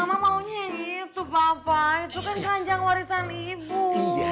itu kan keranjang warisan ibu